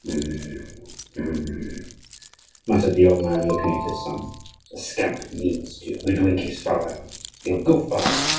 "Hum! hum!" muttered the old man, looking at his son, "the scamp means to hoodwink his father; he'll go far.